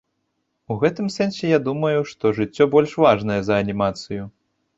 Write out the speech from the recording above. У гэтым сэнсе я думаю, што жыццё больш важнае за анімацыю.